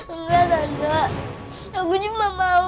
enggak tante aku cuma mau